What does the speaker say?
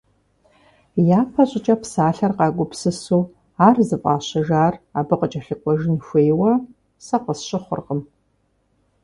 Япэ щӀыкӀэ псалъэр къагупсысу ар зыфӀащыжар абы къыкӀэлъыкӀуэжын хуейуэ сэ къысщыхъуркъым.